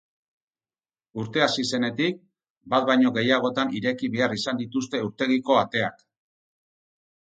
Urtea hasi zenetik, bat baino gehiagotan ireki behar izan dituzte urtegiko ateak.